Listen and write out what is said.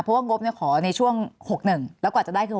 เพราะว่างบขอในช่วง๖๑แล้วกว่าจะได้คือ